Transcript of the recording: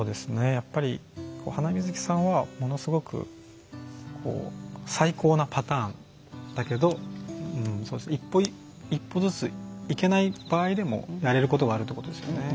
やっぱりハナミズキさんはものすごく最高なパターンだけど一歩ずつ行けない場合でもやれることがあるってことですよね。